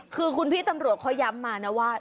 คือคุณพี่ตำรวจเขาย้ำมานะว่า